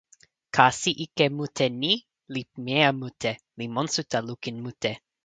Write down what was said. kasi ike mute ni li pimeja mute, li monsuta lukin mute.